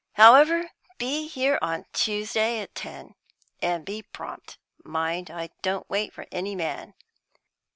However, be here on Tuesday at ten. And prompt, mind: I don't wait for any man."